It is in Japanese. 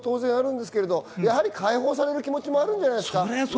やはり解放される気持ちもあるんじゃないですか？